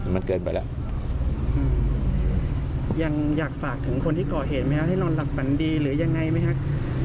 มันเกินไปแล้วอืมยังอยากฝากถึงคนที่ก่อเหตุไหมครับให้นอนหลับฝันดีหรือยังไงไหมครับ